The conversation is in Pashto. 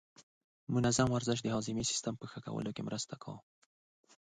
منظم ورزش د هاضمې سیستم په ښه کولو کې مرسته کوي.